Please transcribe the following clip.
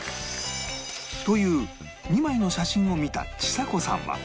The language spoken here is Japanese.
という２枚の写真を見たちさ子さんは